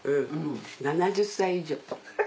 ７０歳以上。